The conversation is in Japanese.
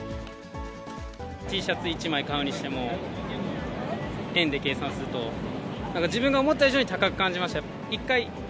Ｔシャツ１枚買うにしても、円で計算すると、なんか自分が思った以上に高く感じました。